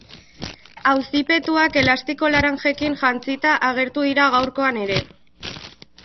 Auzipetuak elastiko laranjekin jantzita agertu dira gaurkoan ere.